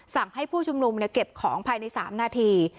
สั่งให้ผู้ชุมนุมเก็บของภายใน๓นาที